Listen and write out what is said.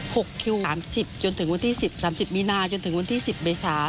คิวสามสิบจนถึงวันที่สิบสามสิบมีนาจนถึงวันที่สิบเมษา